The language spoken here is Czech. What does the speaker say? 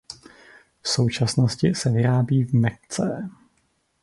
V současnosti se vyrábí v Mekce.